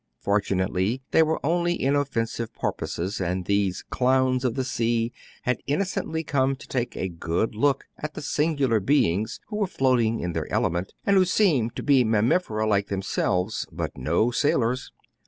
Fortunately they were only inoffensive porpoises ; and these "clowns" of the sea had innocently come to take a good look at the singular beings who were float DANGERS OF CAPT. BOYTON'S APPARATUS, 235 ing in their element, and who seemed to be mam mifera like themselves, but no sailors.